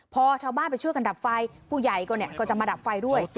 พอชาวบ้านไปช่วยกันดับไฟผู้ใหญ่ก็จะมาดับไฟด้วย